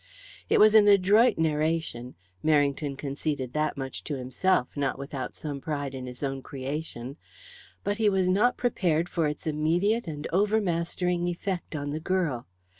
It was an adroit narration Merrington conceded that much to himself, not without some pride in his own creation but he was not prepared for its immediate and overmastering effect on the girl.